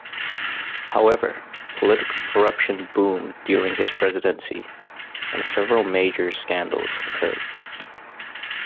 However, political corruption boomed during his presidency and several major scandals occurred.